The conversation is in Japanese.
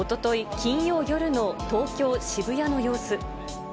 金曜夜の東京・渋谷の様子。